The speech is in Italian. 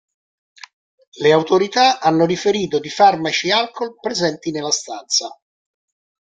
Le autorità hanno riferito di farmaci e alcol presenti nella stanza.